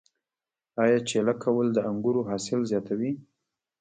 آیا چیله کول د انګورو حاصل زیاتوي؟